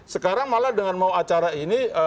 sekarang malah dengan mau acara ini